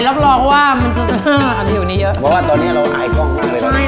รับรองว่ามันจะจะอันนี้เยอะเพราะว่าตอนเนี้ยเราอายกล้องมากไป